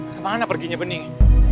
kemana perginya bening